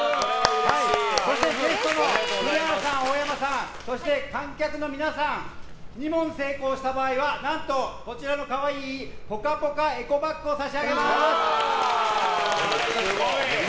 そしてゲストの栗原さん、大山さんそして観客の皆さん２問成功した場合はこちらの可愛いぽかぽかエコバッグを差し上げます。